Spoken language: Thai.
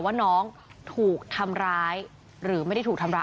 ว่าน้องถูกทำร้ายหรือไม่ได้ถูกทำร้าย